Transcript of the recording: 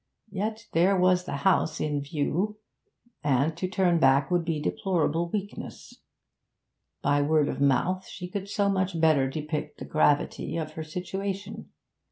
Yet there was the house in view, and to turn back would be deplorable weakness. By word of mouth she could so much better depict the gravity of her situation.